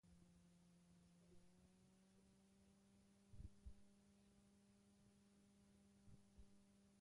Australiarra indartsuena izan zen maldaz gora, eta etapa eta lidergoa lortu ditu.